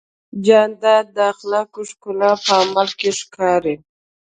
جانداد د اخلاقو ښکلا په عمل کې ښکاري.